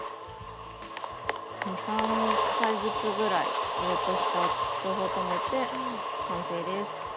２３回ずつぐらい上と下を両方留めて完成です。